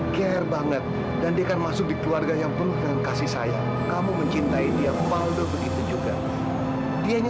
sampai jumpa di video selanjutnya